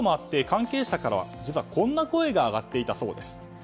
関係者からは実はこんな声が上がっていたそうです。